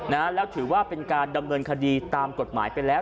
แล้วถือว่าเป็นการดำเนินคดีตามกฎหมายไปแล้ว